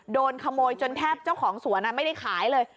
โดนขโมยจนแทบเจ้าของสวนไม่ได้ขายเลย